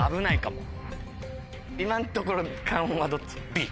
今のところ勘はどっち？